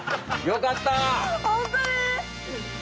よかった！